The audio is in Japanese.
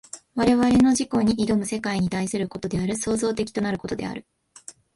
我々の自己に臨む世界に対することである、創造的となることである。